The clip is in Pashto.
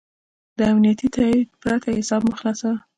د امنیتي تایید پرته حساب مه خلاصوه.